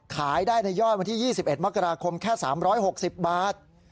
ขายได้ในยอดวันที่๒๑มกราคมแค่๓๖๐บาท